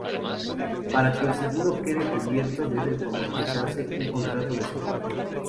Para que el seguro quede cubierto debe formalizarse un contrato de seguro.